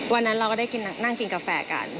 วันนั้นเราก็ได้นั่งกินกาแฟกัน